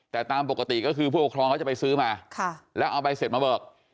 แต่ตามปกติก็คือจะคอยไปซื้อมาแล้วเอาใบเสร็จมาเบิก